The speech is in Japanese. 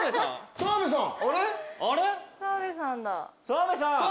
澤部さん。